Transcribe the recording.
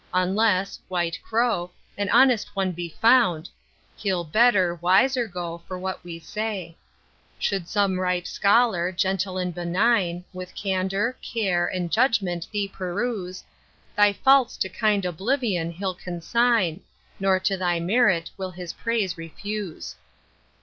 Unless (white crow) an honest one be found; He'll better, wiser go for what we say. Should some ripe scholar, gentle and benign, With candour, care, and judgment thee peruse: Thy faults to kind oblivion he'll consign; Nor to thy merit will his praise refuse.